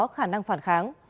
có khả năng phản kháng